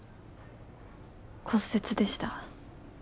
骨折でした。